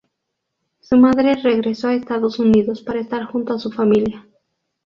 Su madre regresó a Estados Unidos para estar junto a su familia.